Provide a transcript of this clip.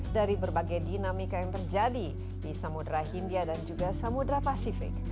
dari berbagai dinamika yang terjadi di samudera hindia dan juga samudera pasifik